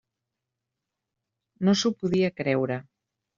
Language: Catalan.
No s'ho podia creure.